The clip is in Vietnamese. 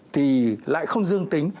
thì lại không dương tính